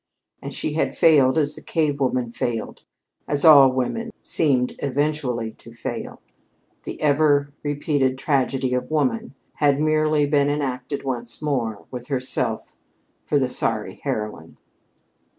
And she had failed as the cave woman failed as all women seemed eventually to fail. The ever repeated tragedy of woman had merely been enacted once more, with herself for the sorry heroine.